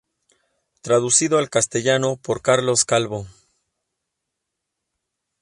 Traducido al castellano por Carlos Calvo.